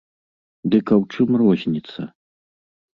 Дык а ў чым розніца?